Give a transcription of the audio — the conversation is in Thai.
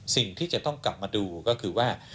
สิ่งที่จะต้องกลับมาดูก็คือว่า